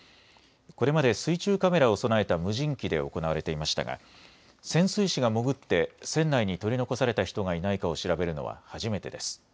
これまで水中カメラを備えた無人機で行われていましたが潜水士が潜って船内に取り残された人がいないかを調べるのは初めてです。